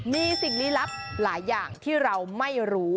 มีสิ่งลี้ลับหลายอย่างที่เราไม่รู้